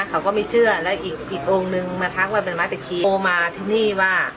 เขาก็ไม่เชื่อแล้วอีกองค์นึงมาทักว่าเป็นไม้ตะเคียนโทรมาที่นี่ว่า